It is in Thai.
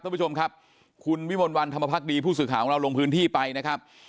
ท่านผู้ชมครับคุณวิมลวันธรรมพักดีผู้สื่อข่าวของเราลงพื้นที่ไปนะครับ